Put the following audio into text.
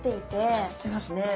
締まってますね。